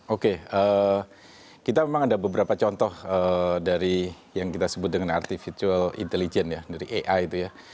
oke kita memang ada beberapa contoh dari yang kita sebut dengan artifitual intelligence ya dari ai itu ya